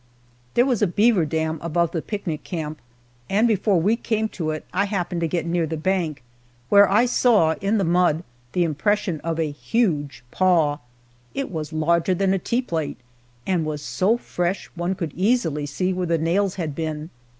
There was a beaver dam above the picnic camp, and before we came to it I happened to get near the bank, where I saw in the mud the impression of a huge paw. It was larger than a tea plate, and was so fresh one could easily see where the nails had been.